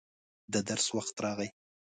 د درس وخت راغی.